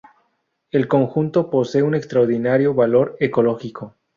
El conjunto posee un extraordinario valor ecológico.